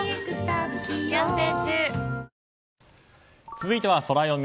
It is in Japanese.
続いてはソラよみ。